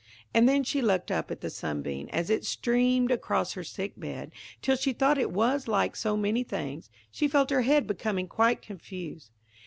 And then she looked up at the sunbeam, as it streamed across her sick bed, till she thought it was like so many things, she felt her head becoming quite confused.